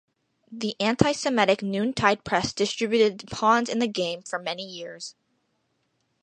The anti-Semitic Noontide Press distributed "Pawns in the Game" for many years.